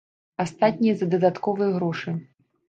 Астатняе за дадатковыя грошы.